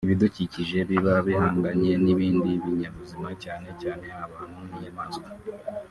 ibidukikije biba bihanganye n'ibindi binyabuzima cyane cyane abantu n'inyamaswa